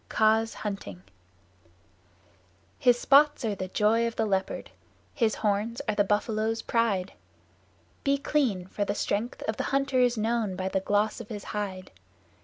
Kaa's Hunting His spots are the joy of the Leopard: his horns are the Buffalo's pride. Be clean, for the strength of the hunter is known by the gloss of his hide.